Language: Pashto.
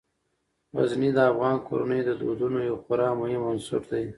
غزني د افغان کورنیو د دودونو یو خورا مهم عنصر دی.